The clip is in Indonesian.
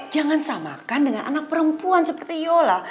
jangan samakan dengan anak perempuan seperti yola